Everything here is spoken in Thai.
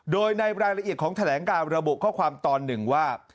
โดยในรายละเอียดของแถลงการระบุข้อความตอนหนึ่งว่า